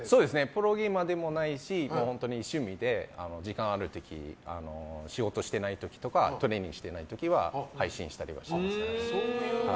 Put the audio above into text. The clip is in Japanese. プロゲーマーでもないし趣味で時間がある時仕事をしてない時とかトレーニングをしてない時とかは配信したりはしてます。